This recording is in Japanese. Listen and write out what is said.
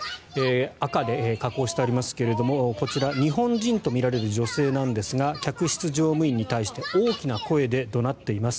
赤で加工してありますけれどもこちら日本人とみられる女性なんですが客室乗務員に対して大きな声で怒鳴っています。